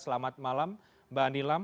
selamat malam mbak nilam